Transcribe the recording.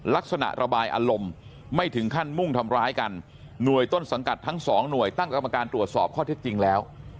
ระบายอารมณ์ไม่ถึงขั้นมุ่งทำร้ายกันหน่วยต้นสังกัดทั้งสองหน่วยตั้งกรรมการตรวจสอบข้อเท็จจริงแล้ว